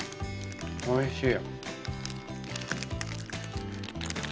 おいしい。